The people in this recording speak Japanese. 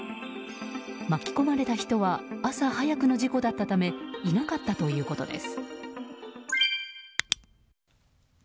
巻き込まれた人は朝早くの事故だったためいなかったということです。